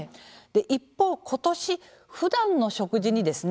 一方今年ふだんの食事にですね